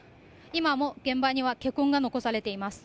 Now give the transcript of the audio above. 今も現場には血痕が残されています。